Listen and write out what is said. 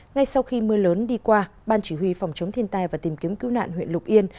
ngay sau khi mưa lớn đi qua ban chỉ huy phòng chống thiên tai và tìm kiếm cứu nạn huyện lục yên